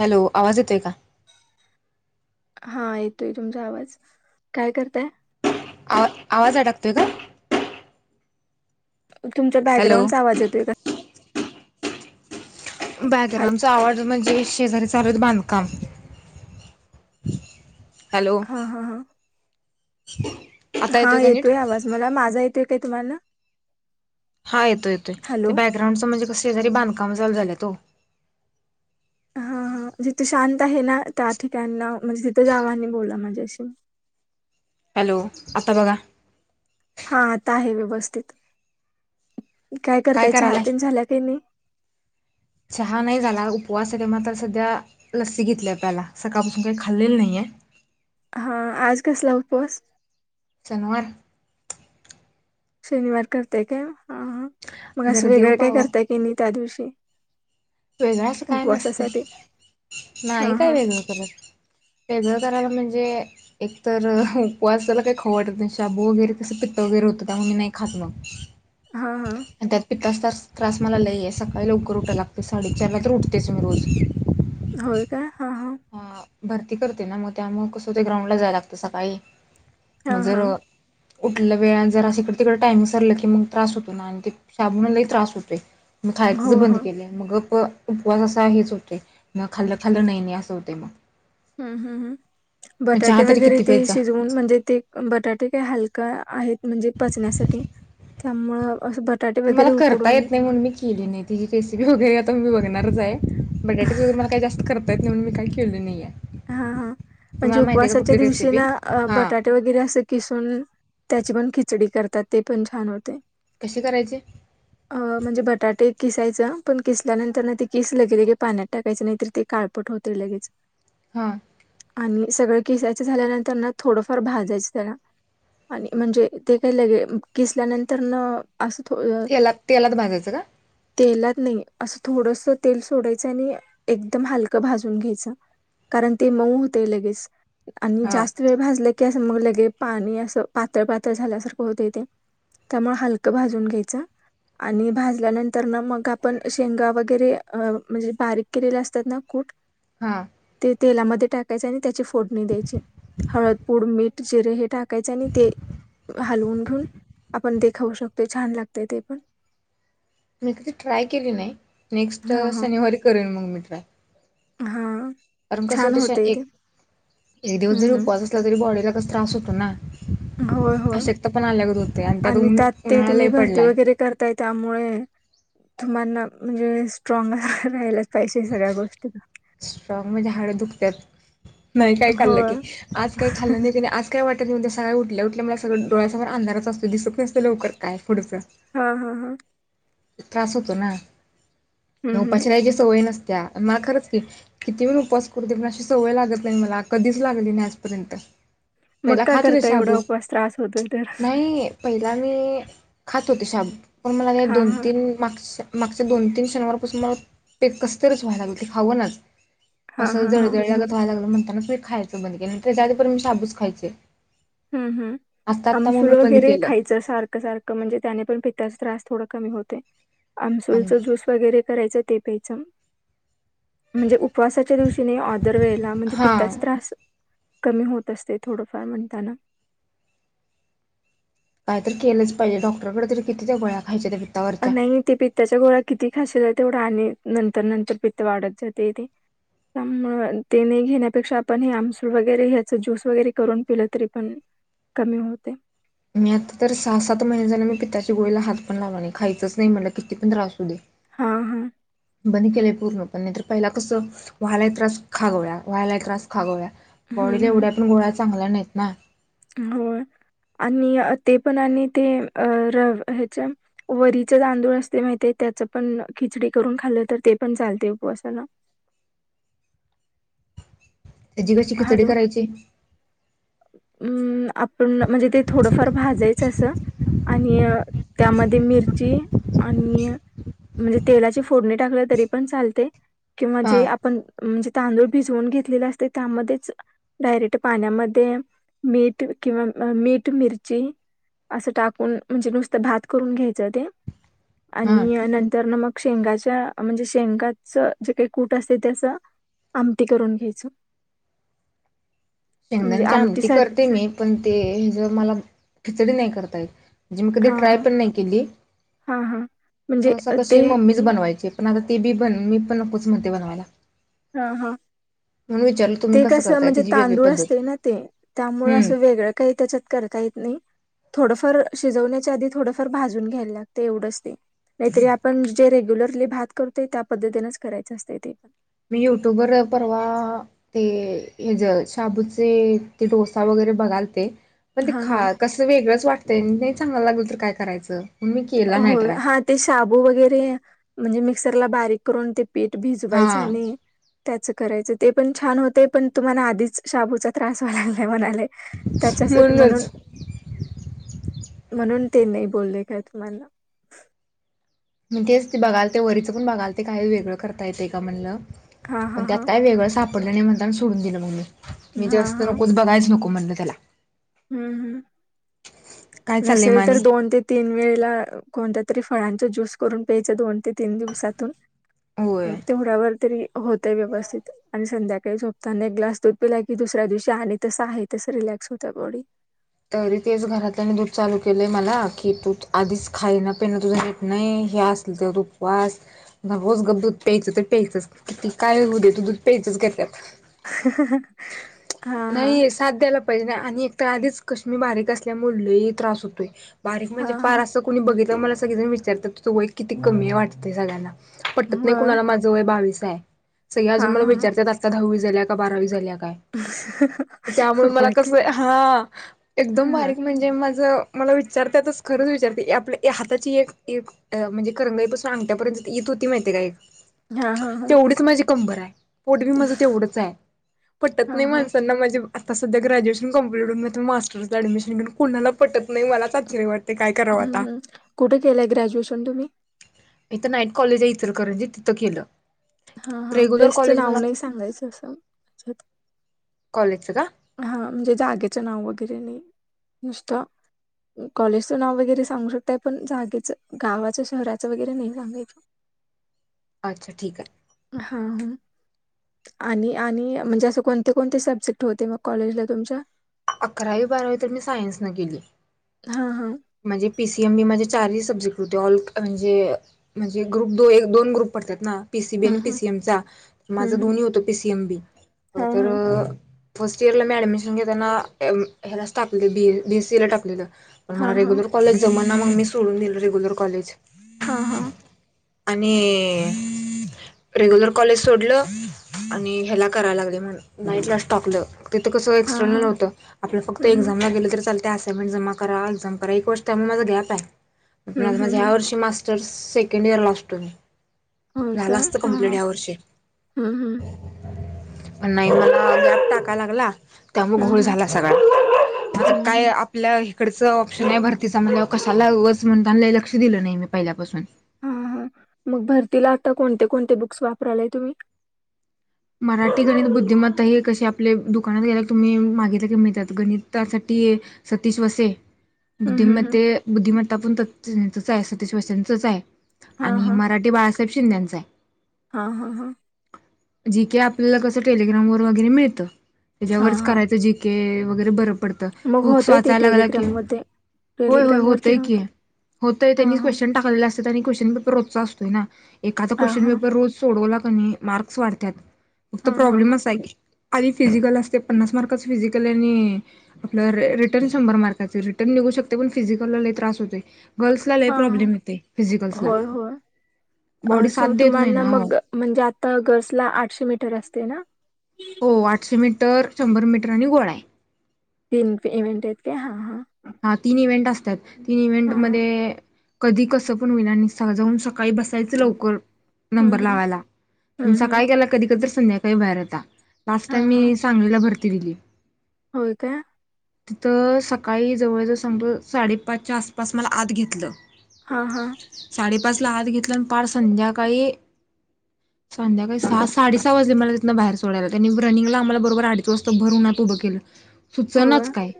Hello आवाज येतोय का. हा येतोय तुमचा आवाज काय करताय. आ आवाज आडकतोय का. तुमचा हॅलो. बॅकग्राउंडचा आवाज येतोय काय? हॅलो. बॅकग्राऊंड चा आवाज म्हणजे शेजारी चालू हायत बांधकाम. हॅलो. हा हा हा. [unintelligible] हा का नीट येतोय आवाज मला माझा येतोय ये तुम्हाला. हा येतो येतोय ते हॅलो बॅकग्रांडच म्हणजे कसरी बधकाम चल झालात हो. हा हा जिथे शांत आहे ना त्या ठिकाना म्हणजे तिथे जाव आणि बोला माझ्याशी हॅलो आता बाघा. हा आता आहे व्यवस्थित काय करताय चाहा तेन झाल्या काही नाही. चहा नाही झाला उपवास य ते मात्र सध्या लस्सी घेतली आपल्याला सकाळपासून काही खाल्लेलं नाहीये हा आज कसला उपवास सनवार शनिवार करताय काय. ह मग जरा असं देव वेगळं काय पाव करताय की नाही त्या दिवशी [unintelligible] वेगळं अस काय नसते उपवासासाठी हा नाही हा काय वेगळं करत वेगळं करायला म्हणजे म्हणजे एकतर उपवास त्याला काही खंउ वाटत नाही शाबू वगैरे कसं पित्त वगैरे होतं त्यामुळे मी नाही खात म हा हा आणि त्यात पित्त असो त त्रास मला लई आहे सकाळी लवकर उठ लाग साडे चार ला तर उठतेच मी रोज होय का. हा. भरती करते ना मग त्यामुळे कसं हो ते ग्राउंडला जाय लागतं सकाळी म हा जर हा उठलं वेळ जर असकडे तिकडं टाइम विसरलं की मग त्रास होतो ना आणि ते शाबुमुळ लई त्रास होतोय मग खायतचं हो बंद हो केले आहे मगं उपवास असा हेच होते म खाल्लं खाल्लं नाही नाही होते मग. हम्म हम्म हम्म मग चहा बटाटे तरी वगैरे किती ते प्यायचा? शिजवून म्हणजे ते बटाटे का हलका आहेत म्हणजे पचण्यासाठी त्यामुळ मला करता येत नाही म्हणून मी केली नाही तिची रेसिपी बघूया आता मी बघेन णारच आहे. बटाटेच वगैरे मला जास्त कर येत नाही म्हणून मी काही केलंल नाही आहे. हा हा म्हणजे तुम्हाला माहिती आहे का उपवासाच्या कुठली दिवशी रेसिपी? ना हा बटाटे वगैरे असे किसून त्याची पण खिचडी करतात ते पण छान होते. कशी करायची? अ म्हणजे बटाटे किसायचं पण किसल्यानंतर ना ते किस लगे लगे पाण्यात टाकायचं नाहीतर ते काळपट होते लगेच. हा. आणि सगळं किसायचं झाल्यानंतर ना थोडंफार भाजायचं त्याला आणि म्हणजे ते काही लगे किसल्यानंतर न. असं थो अ त्याला तेलात भाजायचं का. तेलात नाही असं थोडस तेल सोडायचं आणि एकदम हलकं भाजून घ्यायचं. कारण ते मऊ होते लगेच. आणि हा जास्त वेळ भाजला की. मग लगे पाणी असं पातळ पातळ झाल्यासारखं होत तेे त्यामुळे हलकं भाजून घ्यायचं आणि भाजल्यानंतर ना मग आपण शेंगा वगैरे अ म्हणजे बारीक केलेल्या असतात ना कूट. हा. ते तेलामध्ये टाकायच आणि त्याची फोडणी द्यायची हळद पूड मीठ जिरे हे टाकायचे आणि ते हलवून घेऊन आपण ते खाऊ शकतोय छान लागतय ते पण. मी कधी ट्राय केली नाही. नेक्स्ट हा हा शनिवारी करेन मग मी. [inaudible] हा. कारण कस छान होते होतंय ते. एक दिवस जरी हम्म हम्म. उपवास असला तरी बॉडीला. त्रास होतो ना. होय-होय अशक्तपणा आल्यागत होते आणि ऊन त्यात ते उन्हाळा लय तुम्ही भरती पडलाय. वगैरे करताय त्यामुळे. तुम्हाना म्हणजे स्ट्रॉंग राहिलाच. पाहीजे सगळ्या गोष्टी. स्ट्रॉंग म्हणजे हाडं दुखत्यात. नाही काय खाल्लं होय. की आज काय खाल्लं नाही त्या आज काय वाट. उद्या सकाळी उठल्या उठल्या मला सग डोळ्यासमोर अंधारच असतो दिसत नसतं लवकर काय पुढचं. हा- हा-हा. त्रास होतो ना. हं, न हं. ऊपाशी राहायलची सवय नसते. त्या मला खरंच की किती पण उपवास करूदे पण अशी सवय लागत नाही मला कधीच लागली नाही आजपर्यंत. पहिला मगका खात होते करता एवढा शाबू उपवास त्रास होतो तर. आणि खातो ते शाब. पण मला हां, दोन हां, माग मागच्या दोन-तीन शनिवारपासून मला पेकसतच व्हायला लागल ते खावं ना हां, असं हां, हां, जळजळ लागत व्हायला लागलं म्ह च मी खायचं बंद केलं जे पर्य मी साबूस खायचे हम्म हम आता आत्ता मग अमसूल मी बंद वगैरे केलं. खायचं सारखं सारखं म्हणजे त्याने पण पितताचा त्रास. थोडा कमी होते. आम आमसूलचा जूस वगैरे करायचं. ते पेयचम म्हणजे उपवासाच्या दिवशी नाही ऑर्दर वेळेला म्हणजे हा पित्ताच त्रास. कमी होत असते थोडंफार म्हणताना. काय तर केलंच पाहिजे डॉक्टरकडे तरी किती ते वळ्या खायच्या... पित्तावरच्या. नाही ते पित्ताच्या गोळा किती खाश... तेवढं आणि नंतर नंतर पित्त वाढत जातेथे त्यामु ते नाही घेण्यापेक्षा आपण हे आमसूळ वगैरे ह्याच ज्यूस वगैरे करून पिलं तरी पण कमी होते. मी आता तर सहा सात महिने झाले मी पिताच्या गोळीला हात पण लावला नाही खायच नाही म्हटलं किती पण त्रास होते. हा हा. बंद केलंय पूर्ण पण नाही तरर पहिला कसं वा्हायला त्रास खागवळ्या वा्हायला त्रास खागव्या.... गोळील्या एवड्या पण गोळा... चांगला नाहीत ना. हो आणि ते पण आणि ते अ र ह्याच्या वरीचे तांदूळ असते माहि त्याच पण खिचडी करून खाल्लं तर ते पण चालते उपवासाला. त्याची कशी खिचडी करायची. हम्म. पण म्हणजे ते थोडंफार भाजायचं असं... आणि त्यामध्ये मिरची आणि म्हणजे तेलाची फोडणी टाकले तरी पण चालते. किंवा हा जे आपण म्हणजे... तांदूळ भिजवून घेतलेला असते त्यामध्येच डायरेक्ट पाण्यामध्ये... ते मीठ किंवा मीठ मिरची अस टाकून म्हणजे नुसत भात करून घ्यायचं ते... हा आणि नंतर ना मग... शेंगाच्या म्हणजे शेंगाच जे काही कूट असते त्याच आमटी करून घ्यायच. शेंगदाणची आमती करते मी पण ते ह ज मला... खिचडी नाही करतायेत. म्हणजे मी कधी हा ट्राय हा पण नाही केली हा हा म्हणजे सहसा अ, ते कशी मम्मीच बनवायची. पण आता ते बी बन मी पण नकोच मध्ये बनवायला. हा हा म्हणून विचारलं तुम्ही ते कसं कस करताय म्हणजे तिची वेगळी तांदूळ.... अस पद्धत ना ते त्यामुळे हम्म असं वेगळं काही त्याच्यात करता येत नाही. थोडंफार शिजवण्याच्या आधी थोडंफार भाजून घ्यायला लागतय एवढंच ते. नाहीतरी आपण जे रेग्युलर आपण भात करतोय त्या पद्धतीनेच करायचं असतं तेपण मी युट्यूबवर परवा ते हेज शाबूचे ते डोसा वगैरे बघालते. पण ते हां खा हां कसं वेगळंच वाटतंय नाही. चांगला लागल तर काय करायचं. मी केला हो नाही ट्राय. हा ते शबू वगैरे- म्हणजे मिक्सरला बारीक करून ते- पीठ भिजवायच हा आणि त्याचं करायचं ते पण छान होते पण तुम्हाला आधीच शाबूचा त्रास व्हावा लागलाय म्हणाला. त्याच्यासाठी म्हणून म्हणूनच म्हणून. ते नाही बोलले काय मला. मग तेच ते बघाल ते वरीचं पण बघाल ते काही वेगळं करता येते का म्हणलं. हां पण हां त्यात हां. काय वेगळं साप पडल्याने म्हणता सोडून दिलं ममी. मी हां जास्त नकोच बघाच नको. हो म्हटलं त्याला. हु हु. काय चाललंय म नसेल तर आणि? दोन ते तीन वेळेला कोणत्या तरी फळांचा ज्यूस करून प्यायच दोन ते तीन दिवसातून होय तेवड्यावर तरी. होतेय व्यवस्थित आणि संध्याकाळी झोपताना एक ग्लास दूध पिलाय की दुसऱ्या दिवशी आणि तसं आहे तसं रिलॅक्स होत. त्या बाॅडी तरी तेच घरातल्याने दूध चालू केलंय मला कि तू आधीच खायना पिणं तुझं नीट नाही हे असलं त्यात उपवास मग तू रोज दूध प्यायचं प्यायचं तर प्यायचंच किती काय होऊ दे तू दूध प्यायचं करतात. [inaudible] हा हा. साथ द्यायला नाही आणि एक तर आधीच कशी मी बारीक असल्यामुळेही लय त्रास होतोय. बारीक म्हणजे हा फार हा असं कोणी बघितल की मला सगळेजण विचारतात तुझं वय किती कमी आहे वाटते सगळ्यांना. पटत नाही होय कुणाला माझं वय बावीस. काय. सगळी अजून हा मला हा हा विचारतात आता दहावी झाली. त्याला का बारावी झाल्या? काय त्यामुळे मला होय कस काय हा हा एकदम बारीक म्हणजे माझ मला विचारतातच खरंच विचारते आपल्या हाताची एक म्हणजे करंगाईपासून अंगट्यापर्यंत इथ होती माहीतीे आहे का एक. हां, हां, हां. कंबर आहे. पोट बी माझं तेवढंच आहे. हा नाही हा माणसांना मजा आता सध्या ग्रॅज्युएशन कंप्लीट हुन मी आता मास्टरच ऍडमिशन घीन कोणाला पटत नाही मलाच आश्चर्य वाटते काय करावं आता हम्म कुठे केलंय ग्रॅज्युएशन तुम्ही? इथं नाईट कॉलेज आहे इचलकरंजीत तिथं केलं. हा हा रेग्युलर प्लेसचं कॉलेज नाव मला नाही सांगायचं असं. प्लेसचं का? हा म्हणजे जागेचं नाव वगैरे नाही. नुसतं कॉलेजचं नाव वगैरे सांगू शकताय पण जागेच गावाचं शहराचं वगैरे नाही सांगायचं. अच्छा ठीक आहे. हा हा. आणि -आणि म्हणजे असं कोणते- कोणते सब्जेक्ट होते मग कॉलेजला तुमच्या? अकरावी, बारावी तर मी सायन्स न केली. हां हां. म्हणजे पी सी एम बी मध्ये चारही सब्जेक्ट होते ऑल म्हणजे म्हणजे ग्रुप दो एक दोन ग्रुप पडतात ना? पी सी बी हं, आणि पी हं. सी एम चा. हं, माझं हं. दोन्ही होत पी सी एम बी. हां, तर हां. फर्स्ट इयरला मी ऍडमिशन घेताना ह्यालाच टाकले बी बी सी ए ला टाकलेलं. मला हां, हां. रेग्युलर कॉलेज जम ना मग मी सोडून दिल रेग्युलर कॉलेज. हां हां. आणि रेग्यूलर कॉलेज सोडलं, आणि ह्याला करायला लागले मग नाईट लाच टाकलं. तिथं कसं हां, एक्सटर्नल हां. होत. आपलं फक्त हं, हं. एक्झमला गेलं तरी चालत. त्या असायमेंट जमा करा एक वर्ष त्यामुळे माझा गॅप आहे. हं, मेन हं, म्हणजे ह्या हं. वर्षी मास् स्टर सेकंड इयरला असतो मी. होय झाल का? आसत हां, कंप्लेंट हां. या वर्षी. हं, हं. पण नाही मला गॅप टाकाय लागला त्यामुळे हं, घोळ हं. झाला सगळा. म आता हं, काय हं. आपल्या कडच लक्ष नाही भरतीचां म्हणाल्यावर कशाला ऊगाच म्हणतान. लय लक्ष दिलं नाही मी पहिल्यापासून. हा हा, मग भरतीला आता कोणते कोणते बुक्स वापरालाय तुम्ही? मराठी, गणित, बुद्धिमत्ता हे कशी आपले दुकानात गेला तुम्ही मागितलं की मिळतात. गणितासाठी सतीश वसे हं, हं, हं. बुद्धिमत्ते बुद्धिमत्ता पण त त्याचंच आहे, सतीश वशेनचच आहे. हां, आणि हां. मराठी बाळासाहेब शिंद्यांच ये. हां हां हां. जी के आपल्याला कसं टेलिग्राम वर वगैरे मिळतं. हां, त्याच्यावरच हां. करायचं जी केे, वगैर बर पडतं. मग बुक्स होतंय ते वाचायला लागला की, टेलिग्राममध्ये होय होय टेलिग्रामवरती होतय की होतं. होतय. हां, त्यांनीच हां. क्वेशन टाकलेले असता तरी क्वश्चन पेपर रोजचा असतोय ना? एखादा हां, क्वेशन हां. पेपर रोज सोडवला की आणि मार्क र्क्स वाढत्यात. तो हां, हां, हां. प्रॉब्लेमच हाय की. आणि फिजिकल असते पन्नास मार्काच फिजिकल आणि आपल रिटर्न शंभर मार्काचे रिटर्न निघू शकते पण फिजिकलला लय त्रास होतोय. गर्ल्सला लय हां, हां. प्रॉब्लेम येतय फिजिकल्सला होय, होय. अ बॉडी सो साथ देत नाही ना ओ. ला आठशे मीटर असतय ना? हो आठशे मीटर, शंभर मीटर आणि गोळा हाय. तीन पे इव्हेंट आहेत काय हा हा. हा तीन इव्हेंट असत्यात. तीन इव्हेंट हां हां. मध्ये कधी कसं पण होईन आणि सहाला जाऊन सकाळी बसायच लवकर हं नंबर हं. लावायला न हं हं. सकाळी गेलं कधी कधी तर संध्याकाळी बाहेर येता. लास्ट हां टाइम हां. मी सांगलीला भर ती दिली. होय काय. तिथं सकाळीच. जवळ-जवळ सम साडेपाचच्या आसपास मला आत घेतलं. हा, हा. पासला हात घेतल आणि पार संध्याकाळी-संध्याकाळी सहा साडे सहा वाजले मला तिथंन बाहेर सोडायला, त्यांनी रनिंगला आम्हाला बरोबर अडीच वाजता भर उन्हात उभं केलं. सुचनाच काय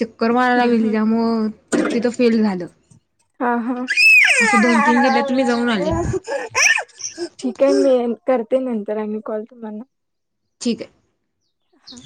चक्कर. हम्म, गेली हम्म, त्यामुळं तिथं फेल झालं हा, हा असं दोन तीन जिल्ह्यात मी जाऊन आले ठीक हाय. मी अन् करतेनंतर आणि कॉल तुम्हाला. ठीक आहे. हा.